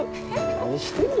何してんの？